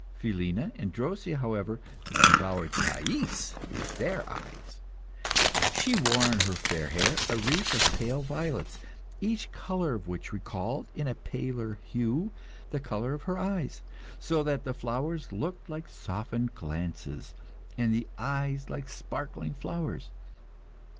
Philina and Drosea, however, devoured Thais with their eyes. She wore on her fair hair a wreath of pale violets, each flower of which recalled, in a paler hue, the colour of her eyes, so that the flowers looked like softened glances, and the eyes like sparkling flowers.